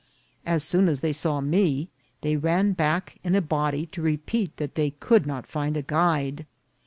As soon as they saw me they ran back in a body to repeat that they could not find a guide.